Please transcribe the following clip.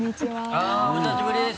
あぁお久しぶりです。